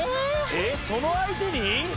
えっその相手に？